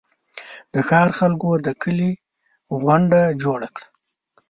د ښار خلکو د کلي غونډه جوړه کړه.